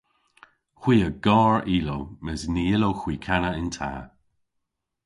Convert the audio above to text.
Hwi a gar ilow mes ny yllowgh hwi kana yn ta.